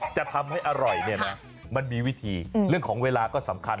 จะทำให้อร่อยเนี่ยนะมันมีวิธีเรื่องของเวลาก็สำคัญ